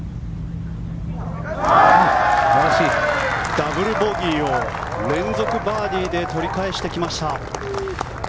ダブルボギーを連続バーディーで取り返してきました。